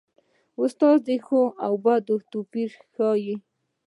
استاد د ښو او بدو توپیر ښيي.